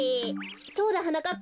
そうだはなかっぱ。